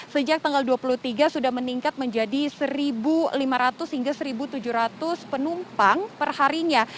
sejak tanggal dua puluh tiga sudah meningkat menjadi satu lima ratus hingga satu tujuh ratus penumpang perharinya